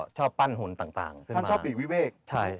ชอบปั้นหุ่นต่างขึ้นมา